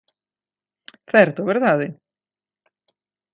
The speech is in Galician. Certo, ¿verdade?